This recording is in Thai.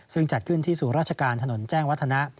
ซึ่งจัดขึ้นที่ศูนย์ราชการถนนแจ้งวัฒนะ